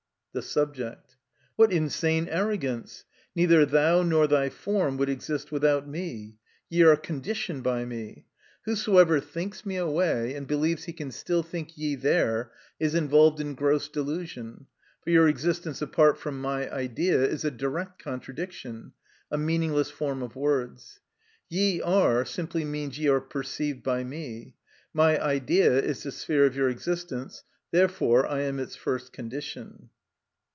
The Subject. What insane arrogance! Neither thou nor thy form would exist without me; ye are conditioned by me. Whosoever thinks me away, and believes he can still think ye there, is involved in gross delusion, for your existence apart from my idea is a direct contradiction, a meaningless form of words. Ye are simply means ye are perceived by me. My idea is the sphere of your existence; therefore I am its first condition.